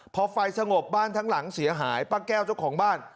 พอไฟสงบบ้านทั้งหลังเสียหายป้าแก้วเจ้าของบ้าน